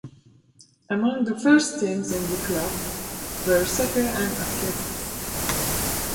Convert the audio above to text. Among the first teams in the club were soccer and athletics.